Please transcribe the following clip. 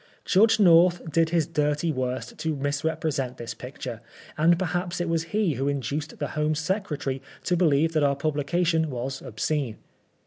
Judge North did his dirty worst to misrepresent this picture, and perhaps it was be who induced the Home Secretary to believe that our pulication was " obscene."